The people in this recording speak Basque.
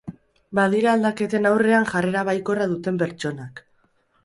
Badira aldaketen aurrean jarrera baikorra duten pertsonak.